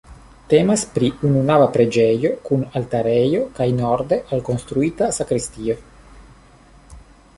Temas pri ununava preĝejo kun altarejo kaj norde alkonstruita sakristio.